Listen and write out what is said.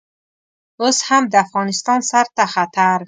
اوس هم د افغانستان سر ته خطر.